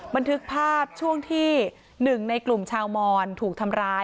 บันทึกภาพช่วงที่หนึ่งในกลุ่มชาวมอนถูกทำร้าย